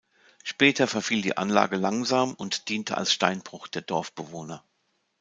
Später verfiel die Anlage langsam und diente als Steinbruch der Dorfbewohner.